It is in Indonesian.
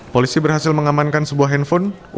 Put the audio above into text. polisi berhasil mengamankan sebuah handphone